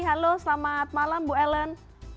halo selamat malam bu ellen